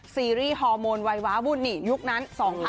ซีรีส์ฮอร์โมนไวว้าวุ่นนี่ยุคนั้น๒๕๖๒